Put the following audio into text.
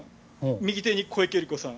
右手に小池百合子さん